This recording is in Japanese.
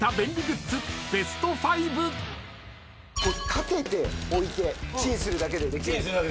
立てて置いてチンするだけでできる。